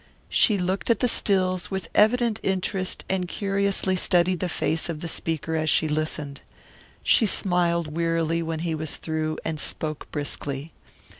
She looked at the stills with evident interest and curiously studied the face of the speaker as she listened. She smiled wearily when he was through and spoke briskly.